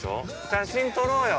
写真、撮ろうよ。